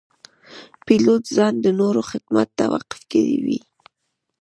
پیلوټ ځان د نورو خدمت ته وقف کړی وي.